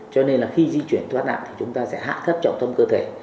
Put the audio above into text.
cho nên là khi di chuyển thoát nạn thì chúng ta sẽ hạ thất trọng thâm cơ thể